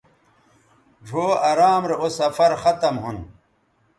ڙھؤ ارام رے اوسفرختم ھون